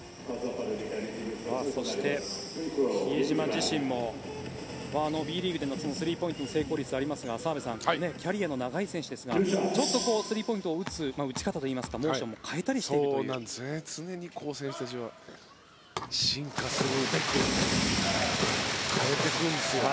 そして、比江島自身もＢリーグでのスリーポイントの成功率がありますが澤部さんキャリアの長い選手ですがちょっとスリーポイントを打つ打ち方というかモーションも常に選手たちは進化するべく変えていくんですよね。